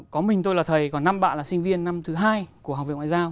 có mình tôi là thầy còn năm bạn là sinh viên năm thứ hai của học viện ngoại giao